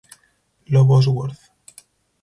Lo Bosworth